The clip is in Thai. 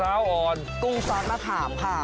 มักองค์จครับกุ้งซอสมะขามค่ะ